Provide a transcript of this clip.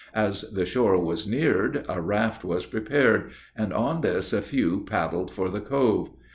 As the shore was neared, a raft was prepared, and on this a few paddled for the cove.